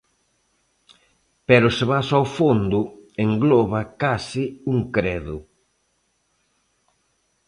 Pero se vas ao fondo, engloba case un credo.